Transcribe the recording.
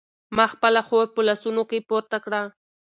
ما خپله خور په لاسونو کې پورته کړه.